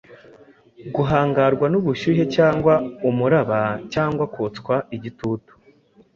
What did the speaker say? guhangarwa n’ubushyuhe cyangwa umuraba cyangwa kotswa igitutu.